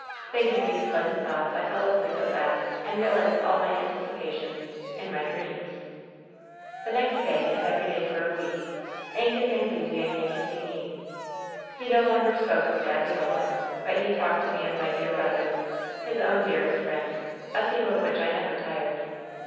"Thinking these pleasant thoughts I fell asleep at last and realized all my anticipations — in my dreams ! "The next day, and every day for a week, Angus Anglesea came to see me. "He no longer spoke of Saviola ; but he talked to me of my dear brother, his own dearest friend — a theme of which I never tired.